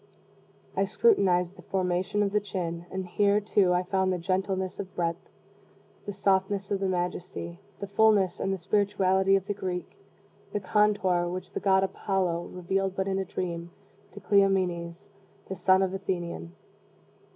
I scrutinized the formation of the chin and, here, too, I found the gentleness of breadth, the softness and the majesty, the fullness and the spirituality, of the Greek the contour which the god Apollo revealed but in a dream, to Cleomenes, the son of the Athenian.